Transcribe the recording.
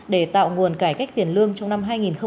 để tạo nguồn cải cách tiền lương trong năm hai nghìn hai mươi